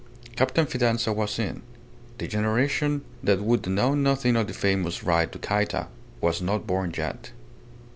Captain Fidanza was seen. The generation that would know nothing of the famous ride to Cayta was not born yet.